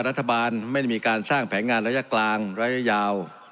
รัฐบาลไม่ได้มีการสร้างแผนงานระยะกลางระยะยาว